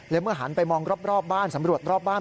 เมื่อหันไปมองรอบบ้านสำรวจรอบบ้าน